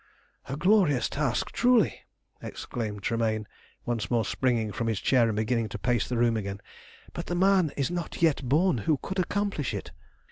"A glorious task, truly!" exclaimed Tremayne, once more springing from his chair and beginning to pace the room again; "but the man is not yet born who could accomplish it."